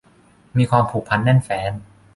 มีความผูกพันแน่นแฟ้น